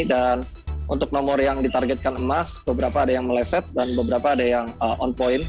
dan untuk nomor yang ditargetkan emas beberapa ada yang meleset dan beberapa ada yang on point